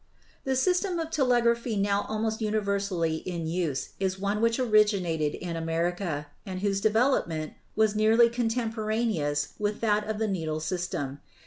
The system of telegraphy now almost universally in use is one which originated in America, and whose de velopment was nearly contemporaneous with that of the needle system.